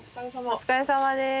お疲れさまです。